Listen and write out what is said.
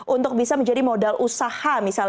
untuk bisa menjadi modal usaha